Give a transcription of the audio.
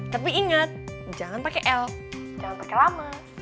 tapi inget jangan pake l jangan pake lama